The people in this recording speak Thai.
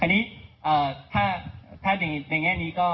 อันนี้ถ้าในแง่นี้ก็